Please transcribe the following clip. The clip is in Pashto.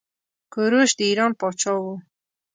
کوروش د ايران پاچا وه.